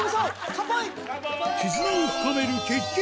乾杯！